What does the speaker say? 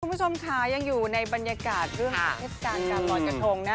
คุณผู้ชมค่ะยังอยู่ในบรรยากาศเรื่องของเทศกาลการลอยกระทงนะ